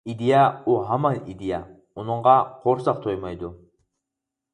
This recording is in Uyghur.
ئىدىيە، ئۇ ھامان ئىدىيە، ئۇنىڭغا قورساق تويمايدۇ.